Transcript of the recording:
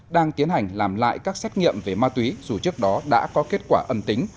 đang tiến hành làm lại các xét nghiệm về ma túy dù trước đó đã có kết quả âm tính